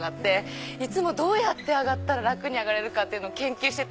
いつもどうやって上がったら楽に上がれるかを研究してて。